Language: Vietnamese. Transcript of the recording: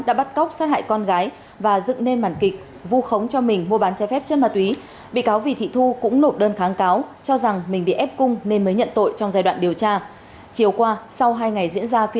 đã bắt cóc sát hại con gái và dựng nên màn kịch vu khống cho mình mua bán trái phép chân ma túy bị cáo vì thị thu cũng nộp đơn kháng cáo cho rằng mình bị ép cung nên mới nhận tội trong giai đoạn điều tra